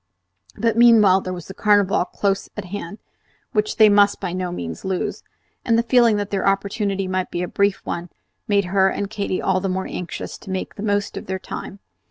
But meanwhile there was the Carnival close at hand, which they must by no means lose; and the feeling that their opportunity might be a brief one made her and Katy all the more anxious to make the very most of their time.